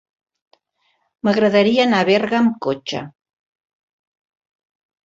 M'agradaria anar a Berga amb cotxe.